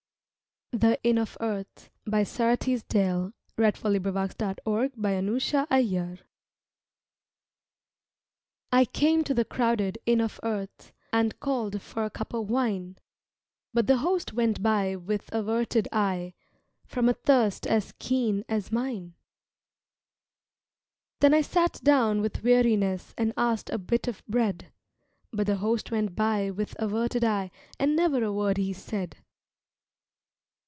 THE INN OF EARTH I CAME to the crowded Inn of Earth, And called for a cup of wine, But the Host went by with averted eye From a thirst as keen as mine. Then I sat down with weariness And asked a bit of bread, But the Host went by with averted eye And never a word he said.